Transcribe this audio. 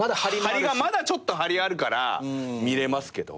まだちょっと張りあるから見れますけど。